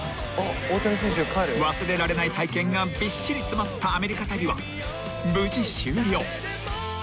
［忘れられない体験がびっしり詰まったアメリカ旅は無事終了］